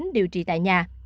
điều trị tại nhà